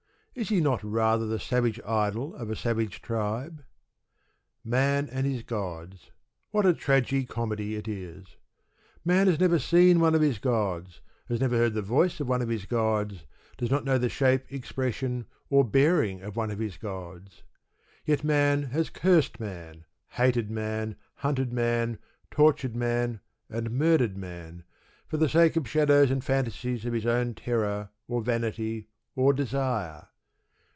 Is He not rather the savage idol of a savage tribe? Man and his gods: what a tragi comedy it is. Man has never seen one of his gods, never heard the voice of one of his gods, does not know the shape, expression, or bearing of one of his gods. Yet man has cursed man, hated man, hunted man, tortured man, and murdered man, for the sake of shadows and fantasies of his own terror, or vanity, or desire.